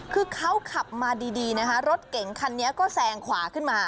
คือเขาขับมาดีนะคะรถเก๋งคันนี้ก็แซงขวาขึ้นมา